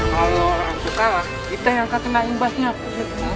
kalau aku kalah kita yang kakenain bahkan aku